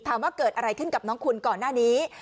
ถามว่าเกิดอะไรขึ้นกับน้องคุณก่อนหน้านี้